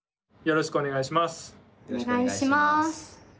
よろしくお願いします。